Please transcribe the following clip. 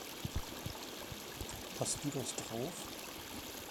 Hast du das drauf?